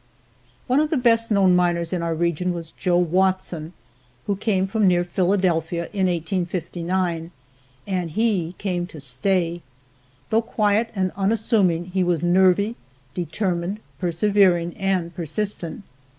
One of the best known miners in our region was Joe Watson, who came from near Philadelphia, in 1859, and he came to stay. Though quiet and unassuming he was nervy, determined, persevering and persistent.